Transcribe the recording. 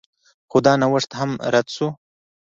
خو دا نوښت هم رد شو